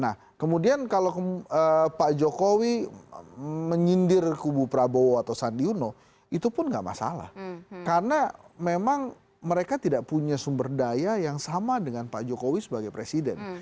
nah kemudian kalau pak jokowi menyindir kubu prabowo atau sandi uno itu pun nggak masalah karena memang mereka tidak punya sumber daya yang sama dengan pak jokowi sebagai presiden